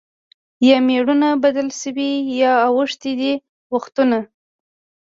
یا مېړونه بدل سوي یا اوښتي دي وختونه